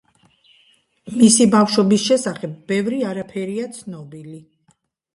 მისი ბავშვობის შესახებ ბევრი არაფერია ცნობილი.